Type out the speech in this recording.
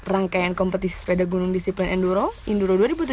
rangkaian kompetisi sepeda gunung disiplin enduro induro dua ribu tujuh belas